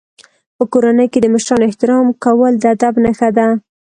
په کورنۍ کې د مشرانو احترام کول د ادب نښه ده.